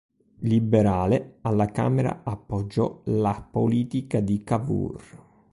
Liberale, alla Camera appoggiò la politica di Cavour.